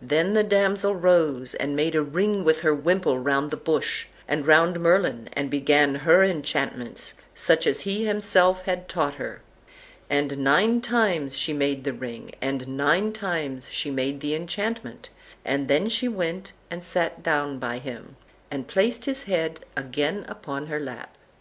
Then the damsel rose, and made a ring with her wimple round the bush, and round Merlin, and began her enchantments, such as he himself had taught her; and nine times she made the ring, and nine times she made the enchantment, and then she went and sat down by him, and placed his head again upon her lap.